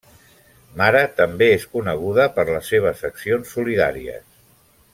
Mara també és coneguda per les seves accions solidàries.